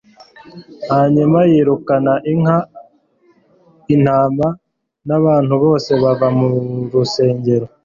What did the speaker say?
hanyuma, yirukana inka, intama n'abantu bose bava mu rusengero